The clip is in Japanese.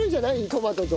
トマトと。